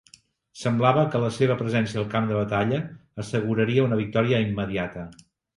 Semblava que la seva presència al camp de batalla asseguraria una victòria immediata.